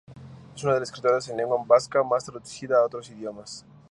Es una de las escritoras en lengua vasca más traducida a otros idiomas.